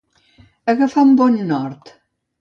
Agafar un bon nord.